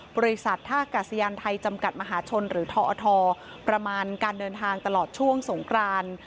บริษัทท่ากาศยานไทยจำกัดมหาชนหรือทอทประมาณการเดินทางตลอดช่วงสงคราน